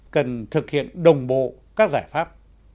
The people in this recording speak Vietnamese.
cần thực hiện đồng bộ các giải pháp